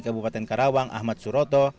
kabupaten karawang ahmad suroto